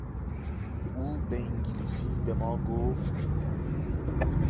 او به انگلیسی به ما گفت...